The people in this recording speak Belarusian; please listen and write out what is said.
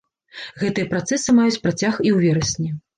Гэтыя працэсы маюць працяг і ў верасні.